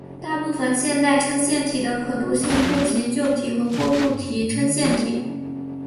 大部分现代衬线体的可读性不及旧体和过渡体衬线体。